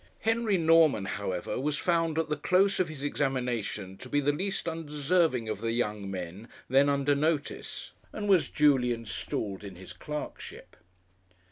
Henry Norman, however, was found, at the close of his examination, to be the least undeserving of the young men then under notice, and was duly installed in his clerkship.